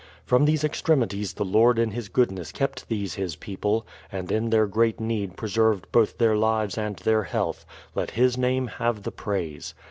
From these extremities the Lord in His goodness kept these His people, and in their great need preserved both their lives and their health ; let His name have the praise.